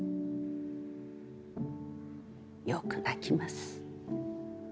よく泣きます。